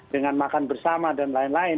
dengan makan bersama dan lain lain